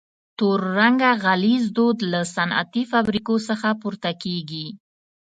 تور رنګه غلیظ دود له صنعتي فابریکو څخه پورته کیږي.